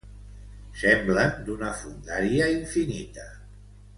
Semblen d'una fondària infinita.